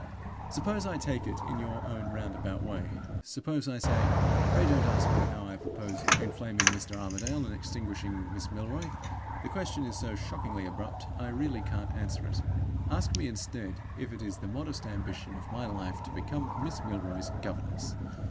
Suppose I take it in your own roundabout way? Suppose I say, 'Pray don't ask me how I propose inflaming Mr. Armadale and extinguishing Miss Milroy; the question is so shockingly abrupt I really can't answer it. Ask me, instead, if it is the modest ambition of my life to become Miss Milroy's governess?